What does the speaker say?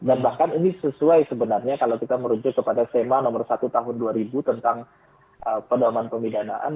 dan bahkan ini sesuai sebenarnya kalau kita merujuk kepada sema nomor satu tahun dua ribu tentang pendaman pemidanaan